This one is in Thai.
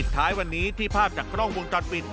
ท้ายวันนี้ที่ภาพจากกล้องวงจรปิด